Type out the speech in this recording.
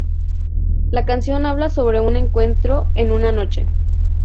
La canción habla sobre un encuentro en una noche.